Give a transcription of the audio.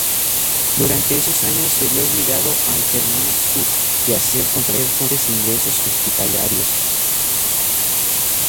Durante esos años se vio obligado a alternar su quehacer con frecuentes ingresos hospitalarios.